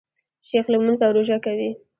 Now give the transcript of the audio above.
شیخ لمونځ او روژه کوي.